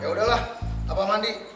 yaudah lah abah mandi